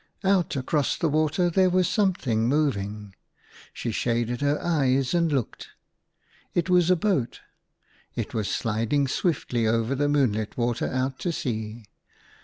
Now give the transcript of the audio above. Out across the water there was something moving. She shaded her eyes and looked. It was a boat ; it was sliding swiftly over the moonlit water out to sea.